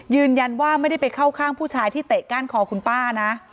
ยืนยันว่าไม่ได้ไปเข้าข้างผู้ชายที่เตะก้านคอคุณป้านะ